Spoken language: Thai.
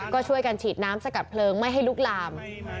ก็ช่วยกันฉีดน้ำสกัดเพลิงไม่ให้ลุกลาม